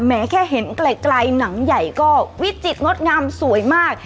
แค่เห็นไกลหนังใหญ่ก็วิจิตรงดงามสวยมาก